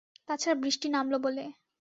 তা ছাড়া বৃষ্টি নামল বলে।